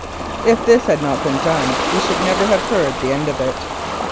If this had not been done we should never have heard the end of it.